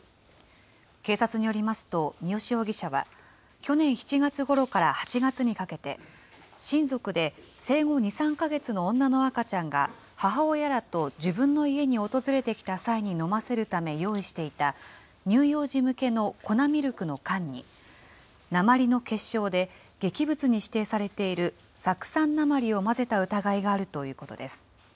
警察によりますと三好容疑者は、去年７月ごろから８月にかけて、親族で生後２、３か月の女の赤ちゃんが母親らと自分の家に訪れてきた際に飲ませるため用意していた乳幼児向けの粉ミルクの缶に、鉛の結晶で劇物に指定されている酢酸鉛を混ぜた疑いがあるということです。